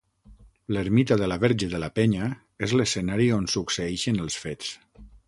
L'ermita de la Verge de la Penya és l'escenari on succeeixen els fets.